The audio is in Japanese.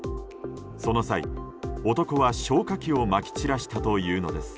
その際、男は消火器をまき散らしたというのです。